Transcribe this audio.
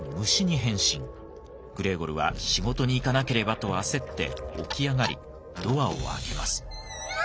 グレーゴルは仕事に行かなければと焦って起き上がりドアを開けます。